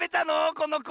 このこ。